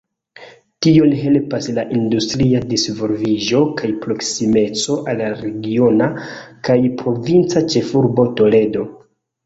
Tion helpas la industria disvolviĝo kaj proksimeco al la regiona kaj provinca ĉefurbo Toledo.